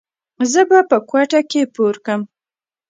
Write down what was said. څه به زه په کوټه کښې پورکم.